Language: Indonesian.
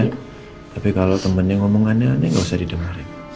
tapi kalau temannya ngomong aneh aneh enggak usah didengerin